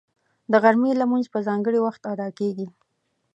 د غرمې لمونځ په ځانګړي وخت ادا کېږي